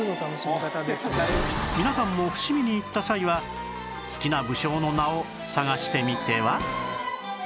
皆さんも伏見に行った際は好きな武将の名を探してみては？